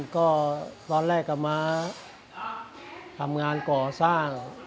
ก็ตอนแรกก็มาทำงานก่อสร้าง